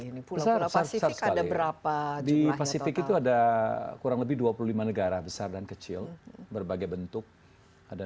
ini besar sekali berapa di pasifik itu ada kurang lebih dua puluh lima negara besar dan kecil berbagai bentuk ada